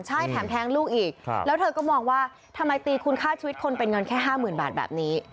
ใช่แถมแท้งลูกอีกแล้วเธอก็มองว่าทำไมตีคุณค่าชีวิตคนเป็นเงินแค่๕๐๐๐บาทแบบนี้